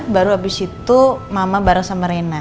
baru habis itu mama bareng sama rena